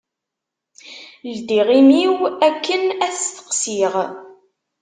Ldiɣ imi-w akken ad t-steqsiɣ.